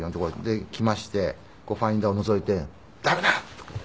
で来ましてファインダーをのぞいて「駄目だ！」とかって。